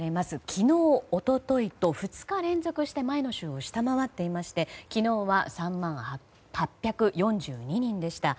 昨日、一昨日と２日連続して前の週を下回っていまして昨日は３万８４２人でした。